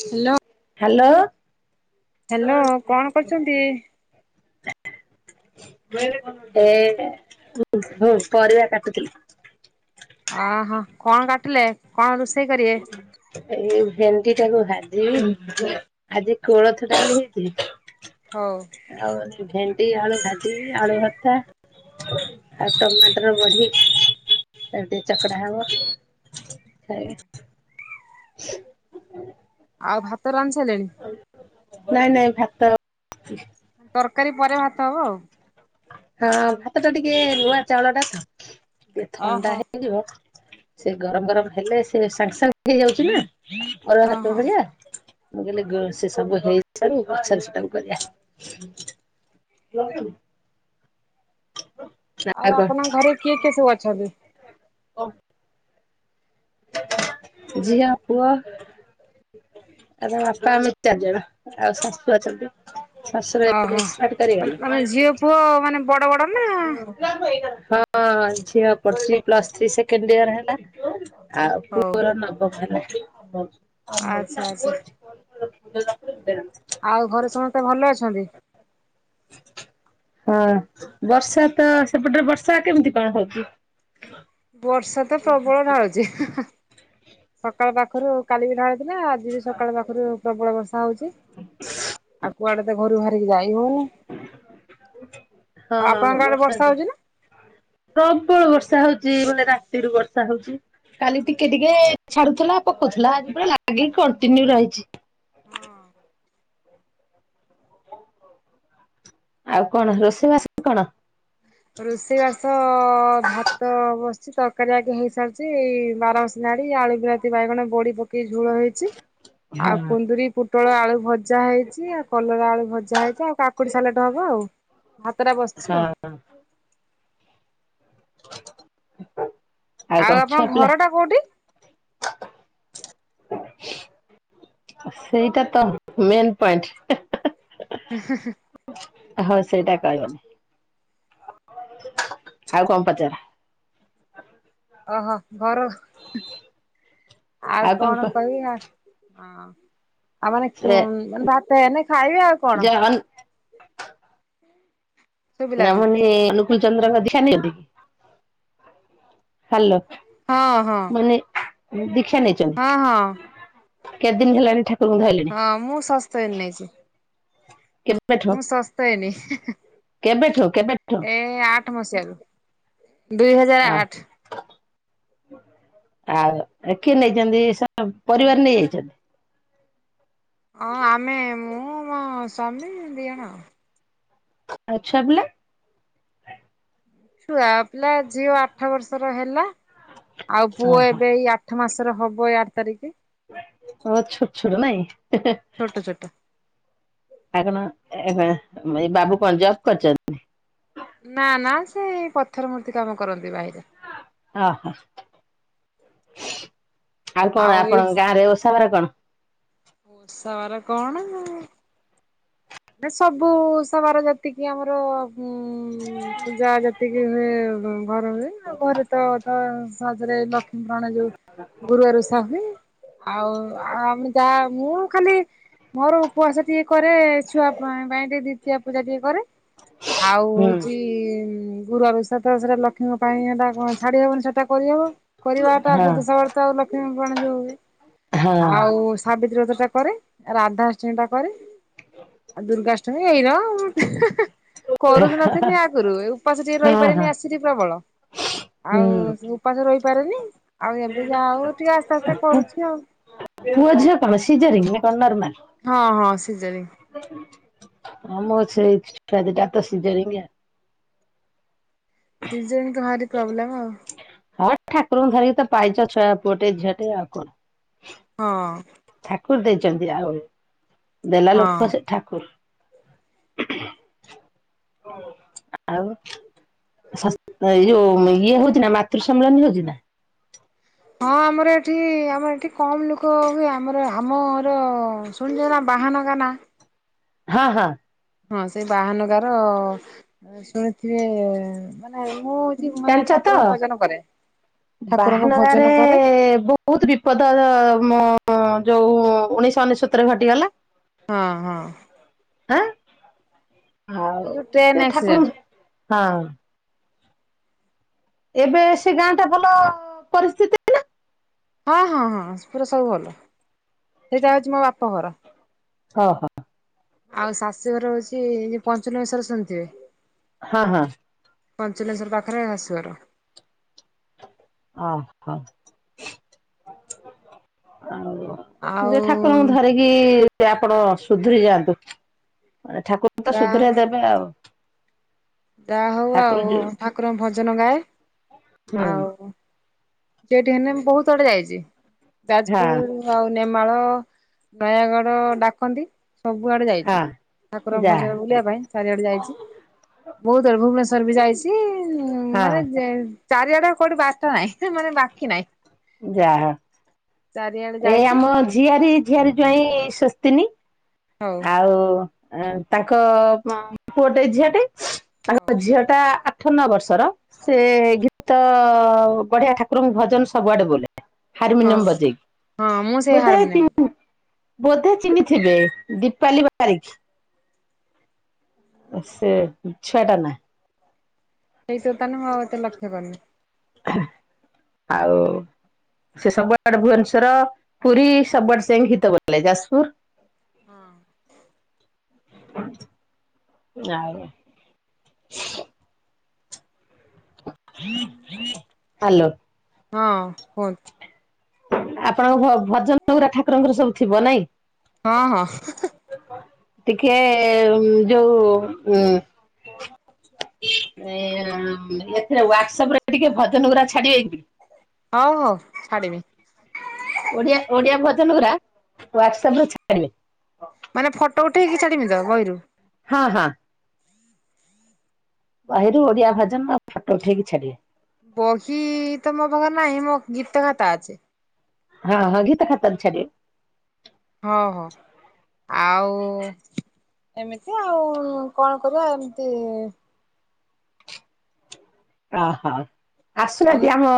Hello. Hello. Hello କଣ କରୁଛନ୍ତି? ହେଇଟା ପରିବା କାଟୁଥିଲି। ଅହୋ କଣ କାଟିଲେ କଣ ରୁସ୍ ଏଇ [unintelligible] ଟିକେ ତାକୁ ଭାଜିବି ଆଜି କୋଳଥ ଡାଲି ହଉ। ହେଇଛି। ଆଉ ଆଜି ଭେଣ୍ଡି ଆଳୁ ଭାଜିବି ଆଳୁ ଭ ଥା ଆଉ ଟମାଟର ବଢ଼ି। ସେଥି ଟିକେ ଚକଡ଼ା ହବ ଖାଇବେ। [inaudible] ଆଉ ଭାତ ରା ନାଇଁ ନାଇଁ ଭାତ ରାନ୍ଧିବି। ତରକାରୀ ପରେ ଭାତ ହବ ଆଉ। ହଁ ଭାତ ଟା ଟିକେ ରୁଆ ଚାଉଳ ଟା ତ ଟିକେ ଥଣ୍ଡା ଓହୋ। ହେଇଯିବ ସେ ଗରମ ଗରମ ହେଲେ ସେ ସାଙ୍ଗେ ସାଙ୍ଗେ ହେଇଯାଉଛି ନା ଅରୁଆ ଭାତ ଓହୋ ଭଳିଆ ମୁଁ କହିଲି ସେ ସବୁ ହେଇଛି ପଛରେ ସେଟାକୁ କରିବା। ଲଗେଇବୁ? ଆଉ ଆପଣଙ୍କ ଘରେ କିଏ କିଏ ସବୁ ଅଛନ୍ତି? ଓଫ୍। ଝିଅ ପୁଅ। ଆ ତାଙ୍କ ବାପା ମିଚାରଜର ଆଉ ଶାଶୁ ଅଛନ୍ତି। ଶଶୁର ଏବେ ଓହୋ। ରିସ୍ବାଟ କରି ଗଲେ। ମାନେ ଝିଅ ପୁଅ ମାନେ ବଡ ବଡ ନା ହଁ ଝିଅ [unintelligible] ଥ୍ରୀ ସେକେଣ୍ଡ ଇୟର ହେଲା। ଆଉ ହଉ। ପୁଅ ନବଘନ। ଆଚ୍ଛା ଆଚ୍ଛା [unintelligible] [unintelligible] ଆଉ ଘରେ ସମସ୍ତେ ଭଲ ଅଛନ୍ତି? ହଁ ବର୍ଷା ତ ସେପଟରେ ବର୍ଷା କେମିତି କଣ ହୋଉଛି? ବର୍ଷା ତ ପ୍ରବଳ ଢାଳୁଛି ସକାଳ ପାଖରୁ କାଲି କି ଢାଳୁ କୁନା ଆଜି ବି ସକାଳ ପାଖରୁ ପ୍ରବଳ ବର୍ଷା ହୋଉଛି ଆଉ କୁଆଡେ ତ ଘରୁ ବା କି ଯାଇ ହୋଉନି ହଁ ବର୍ଷା ନା? ପ୍ରବଳ ବର୍ଷା ହୋଉ ହୁଁ ରାତିରୁ ବର୍ଷା ହୋଉଚି କାଲି ଟିକେ ଟିକେ ଛାଡୁଥିଲା ପକୋଉଥିଲା ଆଜି ପୁରା ଲାଗି କଣ୍ଟିନ୍ୟୁ ରହିଛି। ହଁ। ଆଉ କଣ ରୋଷେଇବାସ କଣ? ରୋଷେଇ ବାସ ଭାତ ବ କିଛି ତରକାରୀ ଆଗେ ହେଇସାରିଛି ବାରମସୀ ନାଡି ଆଳୁ ବିଲାତି ବାଇଗଣ ବଡି ପ କି ଝୋଳ ହେଇଚି। ହଁ ଆଉ କୁନ୍ଦୁରି ପୋଟଳ ଆଳୁ ଭଜା ହେଇଛି। ଆଉ କଲରା ଆଳୁ ଭଜା ହେଇଛି। ଆଉ କାକୁଡି ସାଲାଟ ହବ ଆଉ। ଭାତ ଟା ବସିଛି ଆଉ। ହଁ ହଁ ଆଉ ଆପଣଙ୍କ ଘର ଟା କୋଉଠି? ସେଇଟା ତ ମେନ୍ ପଏଣ୍ଟ। ହ। ହଁ ସେଇଟା କହିବ। ଆଉ କଣ ପଚାର? ଓହୋ ଘର ଆଉ କଣ କହିମି ଆ ହଁ ଆଉ ଖି ସେ ମାନେ ମାନେ ଭାତ ହେନେ ଖାଇବେ ଆଉ ଯ କଣ? ନା ଶୁଭିଲାନି ମାନେ ଅନୁକୂଳଚନ୍ଦ୍ରଙ୍କ ଦୀକ୍ଷା ନେଇଛନ୍ତି? ହ୍ୟାଲୋ। ହଁ ହଁ। ହଁ, ହଁ। କେତେଦିନ ହେଲାଣି ଠା ହଁ ମୁଁ ସ୍ଵସ୍ତୟନି ନେଇଚି। କେବେଠୁ ମୁଁ ସ୍ଵସ୍ତୟନି କେବେଠୁ କେବେଠୁ ଏ ଆଠ ମସିହାରୁୁ। ଦୁଇ ହଜାର ଅ ଆଠ। ଆଉ କିଏ ନେଇଚନ୍ତି ସ ପରିବାର ନେଇଯାଇଚନ୍ତି? ହଁ ଆମେ ମୁଁ ମୋ ସ୍ୱାମୀ ଦିଇଜଣ। ଆଉ ଛୁଆ ପିଲା? ଛୁଆ ପିଲା ଝିଅ ଆଠ ବର୍ଷର ହେଲା, ଆଉ ପୁଅ ଓହୋ ଏବେଇ ଆ ଏଇ ମାସର ହବ [unintelligible] ଆ ଛୋଟ ଛୋଟ ନାଇଁ। ଛୋଟ ଛୋଟ। ଆରେ ମା ଏ ମା ଏ ବାବୁ କଣ ଜବ କରିଚନ୍ତି? ନା ନା ସେ ପଥର ମୂର୍ତ୍ତି କାମ କରନ୍ତି ଭାଇରେ ଓହୋ। ଆଉ କଣ ଆପଣଙ୍କ ଗାଁ ରେ ଓସାବାର କଣ? ଓଷା ବାର କଣ? ମାନ ସବୁ ଓଷାବାର ଯେତିକି ଆମର ଉଁ ଯା ଯେତିକି ରେ ଘର ହୁଏ ଆ ଘରେ ତ ତ ସହଜରେ ପୁରାଣ ଯୋଉ ଗୁରୁବାର ଓଷା ହୁଏ ଆଉ ଆମେ ଯାହା ମୁଁ ଖାଲି ମୋର ଉପବାସ ଟିକେ କରିଦେ ଛୁଆ ପାଇଁ ଟିକେ ଦ୍ଵିତୀୟ ପୂଜା ଟିକେ, କରେ ଆଉ ହୁଁ ହେଉଚି ଗୁରୁର ଓଷା ତ ସେଟା ଲକ୍ଷ୍ମୀଙ୍କ ପାଇଁ ହେଇଟା କଣ ଛାଡ଼ି ହବନି ସେଇଟା କରିଦବ। କରିବାଟା ହଁ ସୁଦଶା ବ୍ରତ ଲଷ୍ମୀ ପୁରାଣ ଯଉ ଆଉ ହଁ। ସାବିତ୍ରୀ ବ୍ରତ ଟା କରେ, ରାଧାଷ୍ଟମୀ ଟା କରେ। ଆଉ ଦୁର୍ଗାଷ୍ଟମୀ ଏଇରା କରୁନଥିନି ଆଗରୁ ଏ ଉପାସ ଟିକେ ହଁ ହଁ ରହିପାରେନି ଆସିିକି ପ୍ରବଳ ଆଉ ହୁଁ ଉପାସ ରହିପାରେନି ଆଉ ଏବେ ଯା ହୋଉ ଟିକେ ଆସ୍ତେ ଆସ୍ତେ କରୁଚି ଆଉ। ପୁଅ ଝିଅ କଣ ସିଜେରିଙ୍ଗି ନା କଣ ନର୍ମାଲ? ହଁ ହଁ ସିଜେରିଙ୍ଗି। ହଁ ମୋ ସେଇ ଛୁଆ ଦିଟାତ ସିଜେରିଙ୍ଗ ଆଉ। ସିଜେନି ତ ଭାରି ପ୍ରୋବ୍ଲେମ୍ ଆଉ। ହଁ ଠାକୁରଙ୍କୁ ଧରିକି ତ ପାଇଛ ଛୁ ପୁଅଟେ ଝିଅଟେ ଆଉ କ ହଁ। ଠାକୁର ଦେଇଛନ୍ତି ଆଉ ଦେଲା ହଁ ଲୋକ ସେ ଠାକୁର୍। ହ। ଆଉ ସା ଏଇ ଯୋଉ ଇଏ ହୋଉଚି ନା ମାତୃ ସମ୍ମିଳନୀ ହଉଚି ନା? ହଁ ଆମର ଏଠି ଆମର ଏଠି କମ ନୁକ ହୁଏ ଆମର ଆମର ଶୁଣିଛ ନା ବାହାନଗା ନା ହଁ ହଁ। ହଁ ସେଇ ବାହାନଗାର ଶୁଣିଥିବେ ମାନେ ମୁଁଛି ମାନେ ଜାଣିଛ ତ ଠାକୁରଙ୍କ ଭଜନ କରେ। ଠାକୁରଙ୍କ ଭଜନ ବାହାନଗାରେ କରେ ବହୁତ ବିପଦ ଅ ତମ ଯୋଉ ଉଣେଇଶ ଅନେଶତରେ ଘଟିଗଲା। ହଁ ହଁ। ଏଇ ଆଁ ଯୋଉ ଟ୍ରେନ ସେ ଆକ୍ସିଡେଣ୍ଟ ଠାକୁର ହଁ ଏବେ ସେ ଗାଁ ଟା ଭଲ ପରିସ୍ଥିତି ନା ହଁ ହଁ ହଁ ପୁରା ସବୁ ଭଲ ସେଟା ହଉଛି ମୋ ବାପ ଘର ହଁ ହଁ। ଆଉ ଶାଶୁଘର ହଉଛି ପଞ୍ଚନମୀ ସାର ଶୁଣିଥିବେ ହଁ ହଁ। ପଞ୍ଚଲିଂଶ ର ପାଖରେ ଆସିବାର। ହ ହଁ। ଯ ଆଉ ଠାକୁରଙ୍କୁ ଧରିକି ସେ ଆପଣ ସୁଧରି ଯାଆନ୍ତୁ ମାନେ ଠାକୁରଙ୍କୁ ତ ଯାହା ସୁଧର ଦେବେ ଆଉ ଯାହା ହଉ ଠାକୁର ଆଉ ଯୋଉ ଠାକୁରଙ୍କ ଭଜନ ଗାଏ ହୁଁ ହଁ ଆଉ ସେଠି ହେଲେ ମୁ ବହୁତ ଆଡେ ଯାଇଛି, ଯାଜପୁର ଆଉ ନେମାଳ ନୟାଗଡ ଡାକନ୍ତି ସବୁଆଡେ ଯାଇଛି। ହଁ ଠାକୁରଙ୍କ ଯାହା ଭଜନ ବୁଲିବା ପାଇଁ ଚାରିଆଡେ ଯାଇଛି। ବହୁତ ବଳେ ଭୁବନେଶ୍ୱର ବି ଯାଇଛି ମାନେ ହଁ ଚାରିଆଡା କୋଉଠି ବାରଟା ନହିଁ ମାନେ ବାକି ନାହିଁ। ଯାହା ଚାରିଆଡେ ଏଇ ଯାଇଛି ଆମ ଝିଆରୀ ଝିଆରି ଜାଇଁ ଶସ୍ତିନି ହଉ ଆଉ ଆ ତାଙ୍କ ପୁଅଟେ ଝିଅ ଟେ ହଉ ତାଙ୍କ ଝିଅ ଟା ଅଠ ନ ବର୍ଷର ସେ ଗୀତ ବଢିଆ ଠାକୁରଙ୍କୁ ଭଜନ ସବୁଆଡେ ବୋଲେ ହଁ ହାରମୋନିୟମ ହଁ ମୁଁ ବଜେଇ ସେଇ ବଧା ହାରମୋନିୟମ ବୋଧେ ଚିହ୍ନଥିବେ ଦୀପାଲି ବାରିକ ସେ ଛଅ ଟା ନା ସେଇ ତ ତାନ ହତେ ଲକ୍ଷ୍ୟ କରନ ଆଉ ସେ ସବର ଭୁବନେଶ୍ଵର ପୁରୀ ସବରସିଂ ହିତ ଗଲେ ଯାଜପୁର ହଁ। [inaudible] ଆଲୋ! ହଁ। ଆପଣଙ୍କ ଭଜନ ପୁରା ଠାକୁରଙ୍କର ସବୁ ଥିବ ନାଇଁ? ହଁ ହଁ। ଟିକେ ଯୋଉ ଉ ଏଥିରେ ୱାଟସପ ରେ ଟିକେ ଭଜନ ଗୁଡା ଛାଡିବେ କି? ହଉ ହଉ ଛାଡିବି ଓଆ ଓଡିଆ ଭଜନ ପା ୱାଟସପ ଛିଲେ ମାନେ ଫଟୋ ଉଠେଇକି ଛାଡମି ତ ବହିରୁ ହଁ ହଁ। ବାହରେ ଓଡିଆ ଭାଜା ଫାଟୋ ଉଠେଇକି ଛାଡିବେ। ବଖି ତ ମୋ ପାଖରେ ନହିଁ ମୋ ଗୀତତ ଖାତା ଅଛି। ହଁ ହଁ ଗି ତ ଖାତ ଛଡ ହଁ ହଁ। ଆଉ ଏମିତି ଆଉ କଣ କରିବା ଏମିତି ଓହୋ ଆସୁନାହାନ୍ତି ଆମା